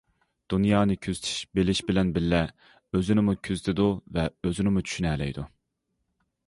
دۇنيانى كۆزىتىش، بىلىش بىلەن بىللە، ئۆزىنىمۇ كۆزىتىدۇ ۋە ئۆزىنىمۇ چۈشىنەلەيدۇ.